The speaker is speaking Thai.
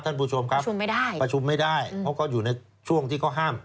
ท่านผู้ชมครับประชุมไม่ได้เพราะเขาอยู่ในช่วงที่เขาห้าม